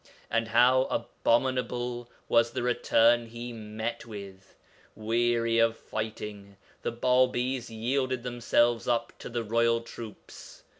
And how abominable was the return he met with! Weary of fighting, the Bābīs yielded themselves up to the royal troops.